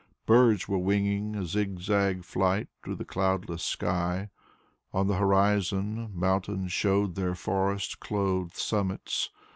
Birds were winging a zigzag flight through the cloudless sky. On the horizon mountains showed their forest clothed summits.